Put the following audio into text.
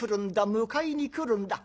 迎えに来るんだ。